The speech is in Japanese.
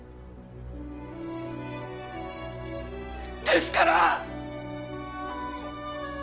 ですから！